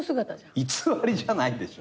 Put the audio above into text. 偽りじゃないでしょ。